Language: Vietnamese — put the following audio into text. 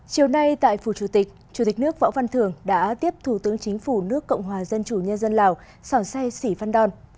chiều nay tại phủ chủ tịch chủ tịch nước võ văn thường đã tiếp thủ tướng chính phủ nước cộng hòa dân chủ nhân dân lào sòn say sỉ phan đòn